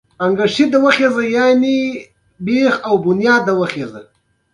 نري بریتونه او ګڼه نه ږیره یې وه.